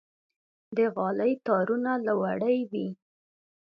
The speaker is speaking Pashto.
د غالۍ تارونه له وړۍ وي.